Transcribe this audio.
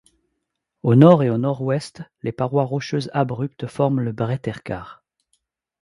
Au nord et au nord-ouest, les parois rocheuses abruptes forment le Bretterkar.